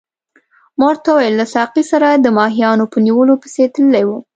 ما ورته وویل له ساقي سره د ماهیانو په نیولو پسې تللی وم.